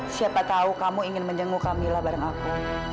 siapa tahu kamu ingin menjenguk kamila bareng aku